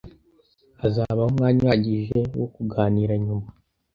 Hazabaho umwanya uhagije wo kuganira nyuma.